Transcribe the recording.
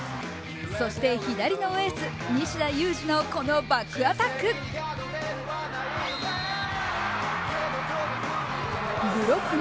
そして左のエース、西田有志のこのバックアタック。